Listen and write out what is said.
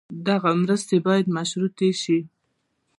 دغه مرستې باید مشروطې شي.